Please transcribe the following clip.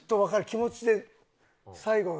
気持ちで最後。